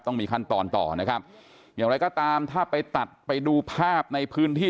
ต้องมีขั้นตอนต่อนะครับอย่างไรก็ตามถ้าไปตัดไปดูภาพในพื้นที่